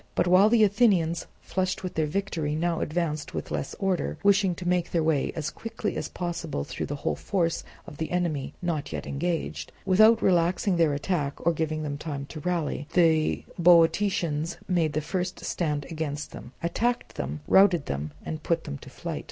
But while the Athenians, flushed with their victory, now advanced with less order, wishing to make their way as quickly as possible through the whole force of the enemy not yet engaged, without relaxing their attack or giving them time to rally, the Boeotians made the first stand against them, attacked them, routed them, and put them to flight.